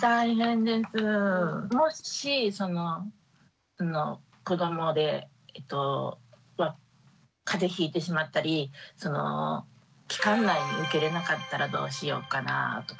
もしその子どもでまあ風邪ひいてしまったり期間内に受けれなかったらどうしようかなぁとか。